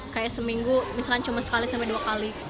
kayak seminggu misalkan cuma sekali sampai dua kali